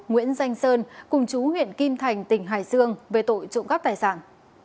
nguyễn danh sơn cùng chú huyện kim thành tỉnh hải sương về tội trụng các tài sản